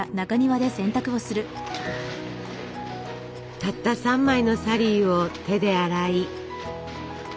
たった３枚のサリーを手で洗い。